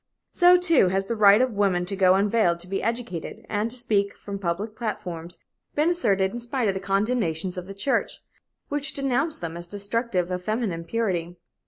So, too, has the right of woman to go unveiled, to be educated, and to speak from public platforms, been asserted in spite of the condemnations of the church, which denounced them as destructive of feminine purity.